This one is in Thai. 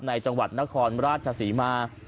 ในจังหวัดนครราชศาสีมาร์